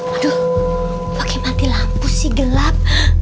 aduh pakai mati lampu sih gelap